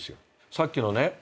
さっきのね